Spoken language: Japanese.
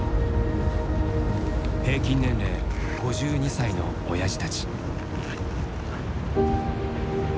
平均年齢５２歳のオヤジたち。